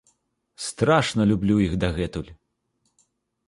Страшна люблю іх дагэтуль.